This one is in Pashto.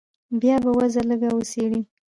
بيا به وضع لږه وڅېړې.